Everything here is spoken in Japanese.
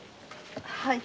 はい。